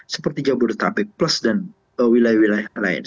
seperti jabodetabek plus dan wilayah wilayah lain